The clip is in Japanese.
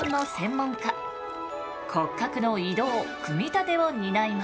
骨格の移動組み立てを担います。